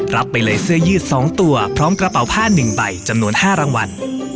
ไปเลยเสื้อยืด๒ตัวพร้อมกระเป๋าผ้า๑ใบจำนวน๕รางวัล